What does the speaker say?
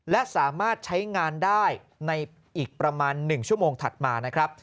และสามารถใช้งานได้ในอีกประมาณ๑ชั่วโมงถัดมานะครับ